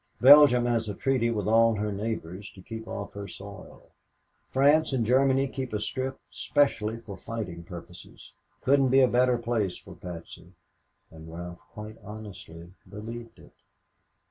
Belgium has a treaty with all her neighbors to keep off her soil. France and Germany keep a strip specially for fighting purposes. Couldn't be a better place for Patsy." And Ralph quite honestly believed it.